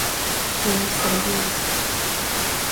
Nina usingizi